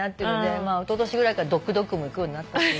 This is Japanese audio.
おととしぐらいからドッグドックも行くようになったし。